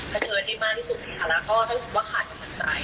เชิดให้มากที่สุดภาระก็ถ้ารู้สึกว่าขาดกำลังใจ